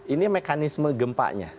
ini mekanisme gempa nya